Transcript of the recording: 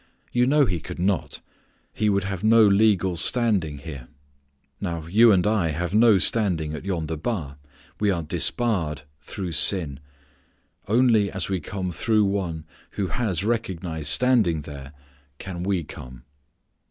you know he could not. He would have no legal standing here. Now you and I have no standing at yonder bar. We are disbarred through sin. Only as we come through one who has recognized standing there can we come.